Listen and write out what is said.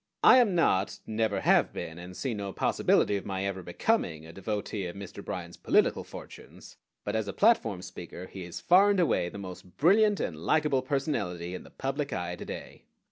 I am not, never have been, and see no possibility of my ever becoming, a devotee of Mr. Bryan's political fortunes; but as a platform speaker he is far and away the most brilliant and likable personality in the public eye to day.